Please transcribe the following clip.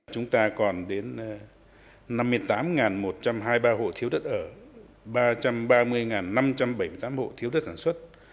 chúng ta còn đến năm mươi tám một trăm hai mươi ba hộ thiếu đất ở ba trăm ba mươi năm trăm bảy mươi tám hộ thiếu đất sản xuất